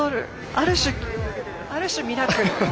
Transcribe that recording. ある種ミラクル。